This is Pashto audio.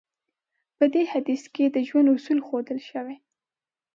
په دې حديث کې د ژوند اصول ښودل شوی.